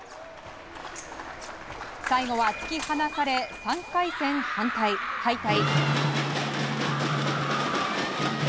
最後は突き放され３回戦敗退。